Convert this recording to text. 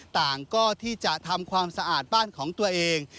ต่างก็ที่จะทำความสะอาดบ้านของตัวเอง